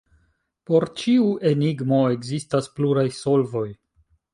Por ĉiu enigmo ekzistas pluraj solvoj.